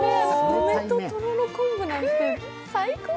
梅ととろろ昆布なんて最高。